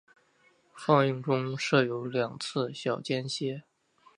放映中设有两次小间歇。